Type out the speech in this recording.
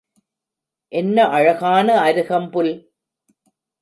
என்ன அழகான அருகம்புல்?